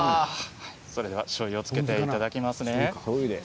それではしょうゆをつけていただきますね。